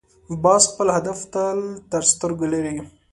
باز خپل هدف تل تر سترګو لري